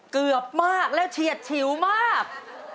เกือบมากแล้วเฉียดฉิวมาก